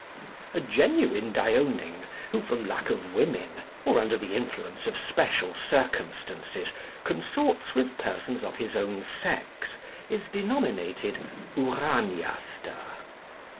A genuine Dioning, who, from lack of women, or under the influence of special circumstances, consorts with persons of his own sex, is denominated Uraniaster.